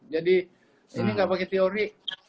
jadi ini gak pakai teori